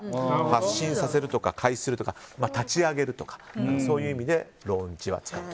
発信させるとか開始させるとか、立ち上げるとかそういう意味でローンチは使う。